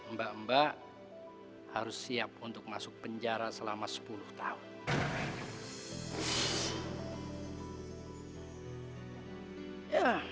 mbak mbak harus siap untuk masuk penjara selama sepuluh tahun